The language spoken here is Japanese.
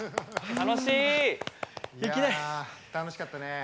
楽しかった。